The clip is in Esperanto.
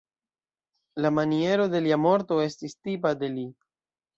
La maniero de lia morto estis tipa de li.